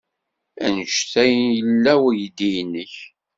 Anect ay yella weydi-nnek?